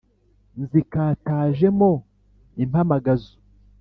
nzikatajemo impamagazo